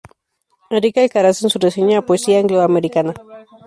Enrique Alcaraz, en su reseña a "Poesía angloamericana.